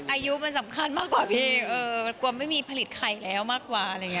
อายุมันสำคัญมากกว่าพี่เออกลัวไม่มีผลิตใครแล้วมากกว่า